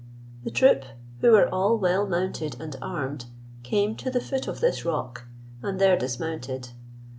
The troop, who were all well mounted and armed, came to the foot of this rock, and there dismounted.